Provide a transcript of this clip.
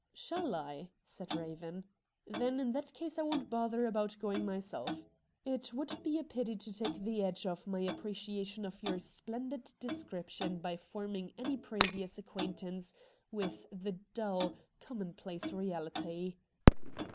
'Shall I?' said Eaven. 'Then in that case I won't bother about going myself. It would be a pity to take the edge off my appreciation of your splendid description by forming any previous acquaintance with the dull, commonplace reality.'